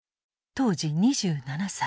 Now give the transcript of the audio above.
当時２７歳。